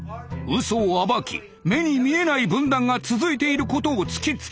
嘘を暴き目に見えない分断が続いていることを突きつける。